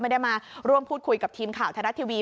ไม่ได้มาร่วมพูดคุยกับทีมข่าวไทยรัฐทีวี